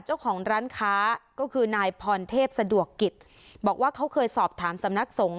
เจ้าของร้านค้าก็คือนายพรเทพสะดวกกิจบอกว่าเขาเคยสอบถามสำนักสงฆ